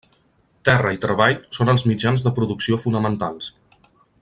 Terra i treball són els mitjans de producció fonamentals.